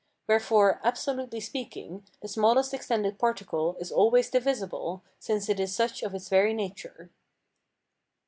Wherefore, absolutely speaking, the smallest extended particle is always divisible, since it is such of its very nature.